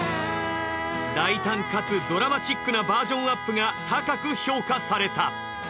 大胆かつドラマチックなバージョンアップが高く評価された。